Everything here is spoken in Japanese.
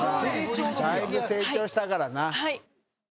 だいぶ成長したからな。